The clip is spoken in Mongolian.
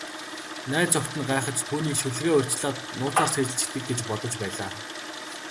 Найз охид нь гайхаж, түүнийг шүлгээ урьдчилаад нууцаар цээжилчихдэг гэж бодож байлаа.